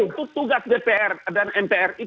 itu tugas dpr dan mpr